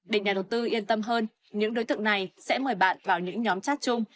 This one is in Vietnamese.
để nhà đầu tư yên tâm hơn những đối tượng này sẽ mời bạn vào những nhóm chat chung